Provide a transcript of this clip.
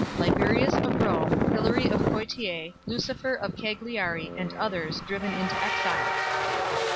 Liberius of Rome, Hilary of Poitiers, Lucifer of Cagliari, and others, driven into exile.